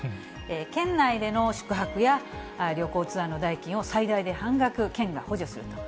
県内での宿泊や旅行ツアーの代金を最大で半額、県が補助すると。